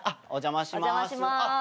お邪魔します。